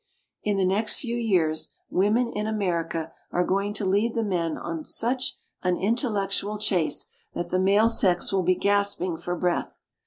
In the next few years women in America are going to lead the men on such an intellectual chase that the male sex will be gasping for breath.